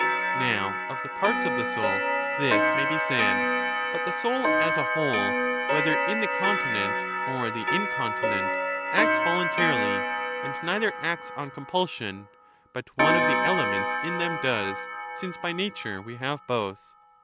Now of the parts of the soul this may be said ; but thejouLas a^jvv hole, whether in the continent or the incontinent, acts yoluntarily; and neither acts on compulsion, but one of the elements in them does, since by nature we have both.